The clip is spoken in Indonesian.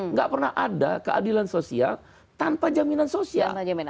nggak pernah ada keadilan sosial tanpa jaminan sosial